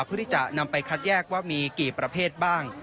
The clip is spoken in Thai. เพื่อที่จะนำไปคัดแยกว่ามีกี่ประเภทบ้าง